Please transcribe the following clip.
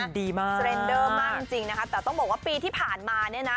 ดีมากเทรนเดอร์มากจริงนะคะแต่ต้องบอกว่าปีที่ผ่านมาเนี่ยนะ